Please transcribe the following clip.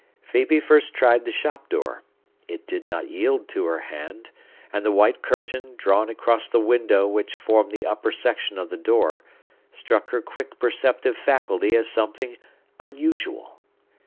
Phœbe first tried the shop door. It did not yield to her hand; and the white curtain, drawn across the window which formed the upper section of the door, struck her quick perceptive faculty as something unusual.